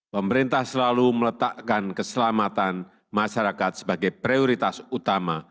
pemerintah selalu meletakkan keselamatan masyarakat sebagai prioritas utama